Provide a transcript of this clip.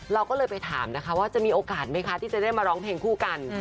เราก็เลยไปถามนะคะว่าจะมีโอกาสไหมคะที่จะได้มาร้องเพลงคู่กัน